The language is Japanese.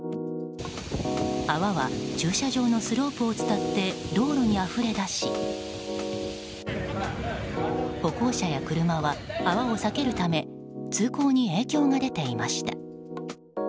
泡は駐車場のスロープを伝って道路にあふれだし歩行者や車は泡を避けるため通行に影響が出ていました。